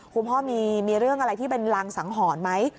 คุณพ่อมีเรื่องอะไรที่เป็นรังสังหรณ์ไหม